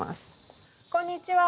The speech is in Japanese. こんにちは。